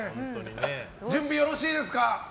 準備はよろしいですか？